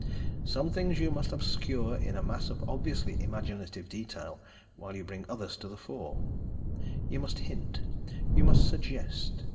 Some things you must obscure in a mass of obviously imaginative detail, while you bring others to the fore. You must hint. You must suggest.